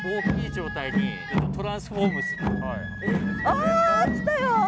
あ来たよ！